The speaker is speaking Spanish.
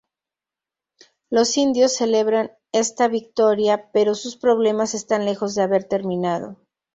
Los Indios celebran esta victoria, pero sus problemas están lejos de haber terminado.